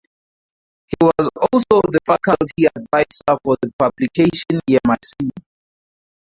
He was also the faculty advisor for the publication Yemassee.